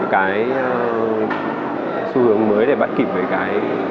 cái xu hướng mới để bắt kịp với cái